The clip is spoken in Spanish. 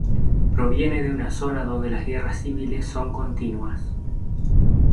Proviene de una zona donde las guerras civiles son continuas.